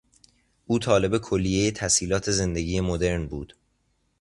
او طالب کلیهی تسهیلات زندگی مدرن بود.